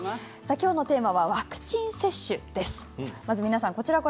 きょうのテーマはワクチン接種です。